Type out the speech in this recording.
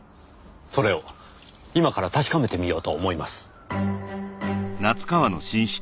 それを今から確かめてみようと思います。